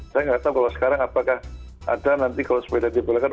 saya tidak tahu kalau sekarang apakah ada nanti kalau sepeda dibelakang